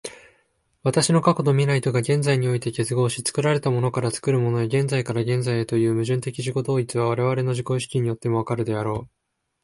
私の過去と未来とが現在において結合し、作られたものから作るものへ、現在から現在へという矛盾的自己同一は、我々の自己意識によっても分かるであろう。